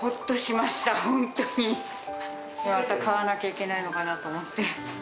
また買わなきゃいけないのかなと思って。